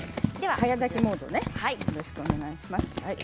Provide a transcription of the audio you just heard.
早炊きモードねよろしくお願いします。